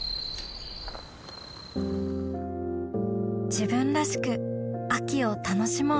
自分らしく秋を楽しもう